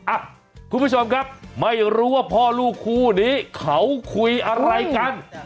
อ่ะคุณผู้ชมครับไม่รู้ว่าพ่อลูกคู่นี้เขาคุยอะไรกัน